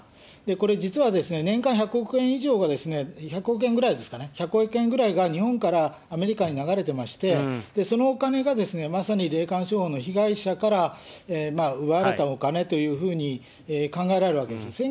これ、実は年間１００億円以上が、１００億円ぐらいですかね、１００億円ぐらいが日本からアメリカに流れてまして、そのお金がまさに霊感商法の被害者から奪われたお金というふうに考えられるわけですね。